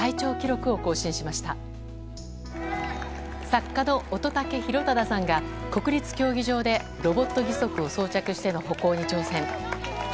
作家の乙武洋匡さんが国立競技場でロボット義足を装着しての歩行に挑戦。